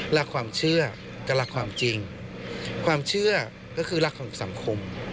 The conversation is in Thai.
รักความเชื่อก็รักความจริงความเชื่อก็คือรักของสังคม